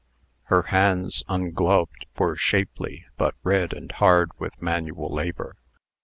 Her hands, ungloved, were shapely, but red and hard with manual labor.